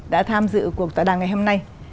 đã tham dự cuộc tỏa đàn ngày hôm nay